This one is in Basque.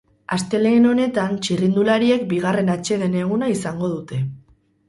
Astelehen honetan, txirrindulariek bigarren atseden eguna izango dute.